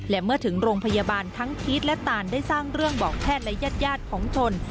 และเมื่อถึงโรงพยาบาลทั้งพีชและตานได้สร้างเรื่องบอกแพทย์และญาติของชน